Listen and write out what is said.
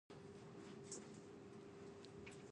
爸爸